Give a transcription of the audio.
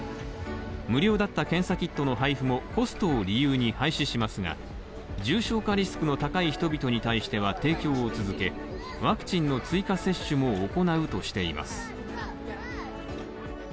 無料だった検査キットの配布もコストを理由に廃止しますが、重症化リスクの高い人々に対しては提供を続けワクチンの追加接種も行うとしています。